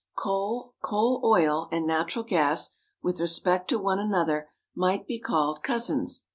Coal, coal oil, and natural gas, with respect to one another, might be called cousins.